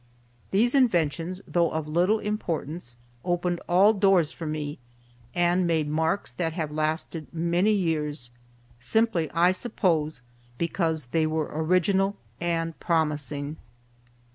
These inventions, though of little importance, opened all doors for me and made marks that have lasted many years, simply, I suppose, because they were original and promising.